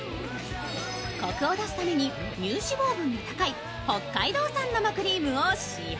コクを出すために乳脂肪分の高い北海道産生クリームを使用。